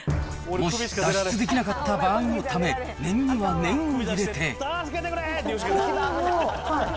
もし脱出できなかったときのため、念には念を入れて。